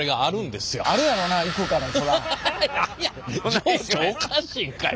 情緒おかしいんかいな。